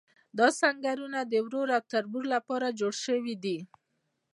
دا سنګرونه د ورور او تربور لپاره جوړ شوي دي.